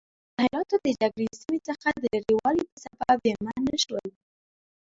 متحده ایلاتو د جګړې سیمې څخه د لرې والي په سبب زیانمن نه شول.